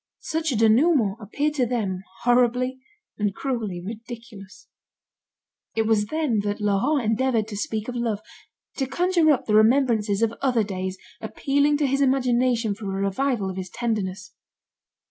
Such a denouement appeared to them horribly and cruelly ridiculous. It was then that Laurent endeavoured to speak of love, to conjure up the remembrances of other days, appealing to his imagination for a revival of his tenderness.